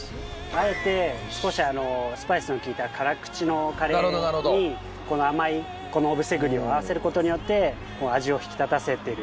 あえて少しスパイスのきいた辛口のカレーにこの甘い小布施栗を合わせることによって味を引き立たせてる